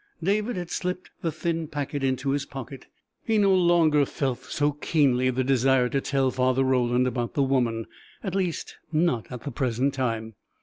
David had slipped the thin packet into his pocket. He no longer felt so keenly the desire to tell Father Roland about the woman at least not at the present time.